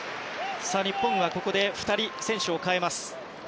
日本はここで２人選手を代えます。